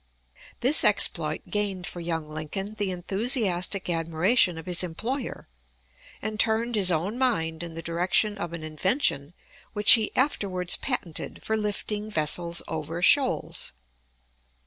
This exploit gained for young Lincoln the enthusiastic admiration of his employer, and turned his own mind in the direction of an invention which he afterwards patented "for lifting vessels over shoals."